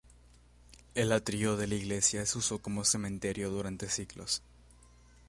El atrio de la iglesia se usó como cementerio durante siglos.